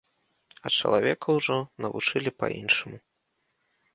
А чалавека ўжо навучылі па-іншаму.